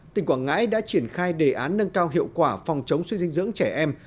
tỉnh quảng ngãi đã triển khai đề án nâng cao hiệu quả phòng chống suy dinh dưỡng trẻ em